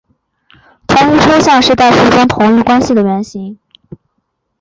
同余是抽象代数中的同余关系的原型。